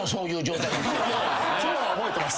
今日は覚えてます。